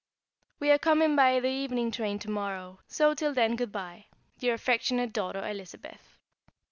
We are coming by the evening train to morrow; so till then good bye. Your affectionate daughter, Elizabeth.